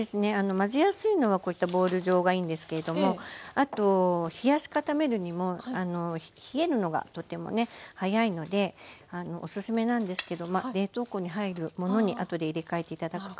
混ぜやすいのはこういったボウル状がいいんですけれどもあと冷やし固めるにも冷えるのがとてもね早いのでおすすめなんですけど冷凍庫に入るものにあとで入れ替えて頂くか。